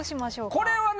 これはね